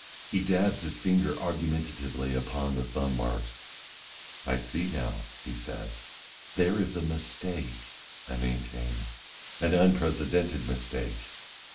He dabs his finger argumentatively upon the thumb marks. "I see now," he says. "There is a mistake," I maintain, "an unprecedented mistake.